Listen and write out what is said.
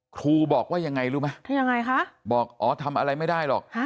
ครูบอกว่ายังไงรู้ไหมคะบอกอ๋อทำอะไรไม่ได้หรอก